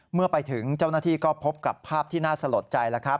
เมื่อไปถึงเจ้าหน้าที่ก็พบกับภาพที่น่าสลดใจแล้วครับ